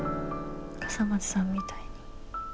笠松さんみたいに。